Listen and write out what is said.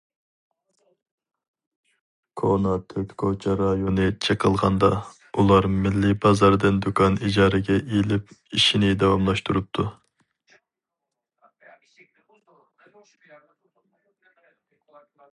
كونا تۆت كوچا رايونى چېقىلغاندا، ئۇلار مىللىي بازاردىن دۇكان ئىجارىگە ئېلىپ ئىشىنى داۋاملاشتۇرۇپتۇ.